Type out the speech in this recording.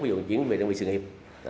ví dụ chuyển về đơn vị sự nghiệp